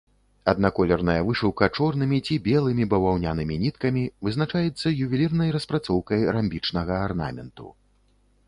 Аднаколерная вышыўка чорнымі ці белымі баваўнянымі ніткамі вызначаецца ювелірнай распрацоўкай рамбічнага арнаменту.